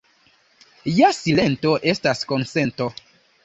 Ja silento estas konsento.